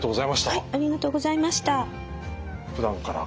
はい。